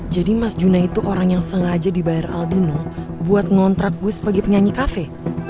jadi mas juna itu orang yang sengaja dibayar aldino buat ngontrak gue sebagai penyanyi cafe